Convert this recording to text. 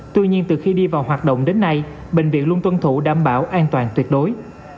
tuy nhiên từ khi đi vào hoạt động đến nay bệnh viện luôn tuân thủ đảm bảo an toàn tuyệt đối